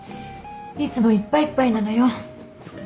いつもいっぱいいっぱいなのよ。